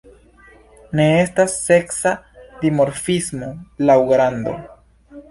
Ne estas seksa dimorfismo laŭ grando.